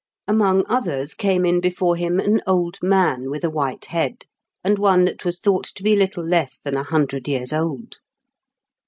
Among others came in before him an old man with a white head, and one that was thought to be little less than a hundred years old.